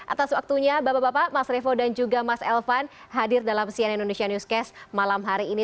atas waktunya bapak bapak mas revo dan juga mas elvan hadir dalam cnn indonesia newscast malam hari ini